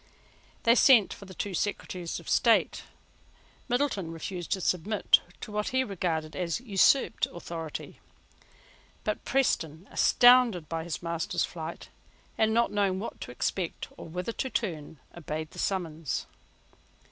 They sent for the two Secretaries of State. Middleton refused to submit to what he regarded as an usurped authority: but Preston, astounded by his master's flight, and not knowing what to expect, or whither to turn, obeyed the summons.